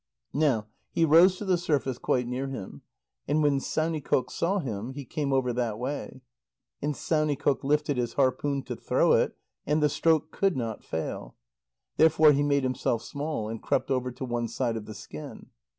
Now he rose to the surface quite near him, and when Saunikoq saw him, he came over that way. And Saunikoq lifted his harpoon to throw it, and the stroke could not fail. Therefore he made himself small, and crept over to one side of the skin.